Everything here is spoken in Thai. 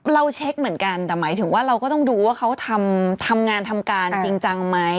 เช็คเหมือนกันแต่หมายถึงว่าเราก็ต้องดูว่าเขาทำงานทำการจริงจังไหม